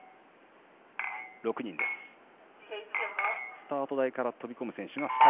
スタート台から飛び込む選手が２人。